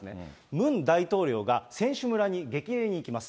ムン大統領が選手村に激励に行きます。